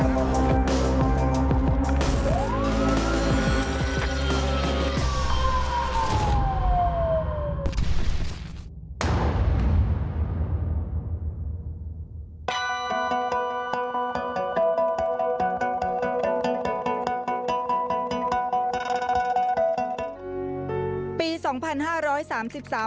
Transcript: มุมการส่งสะเทือน